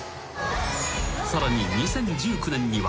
［さらに２０１９年には］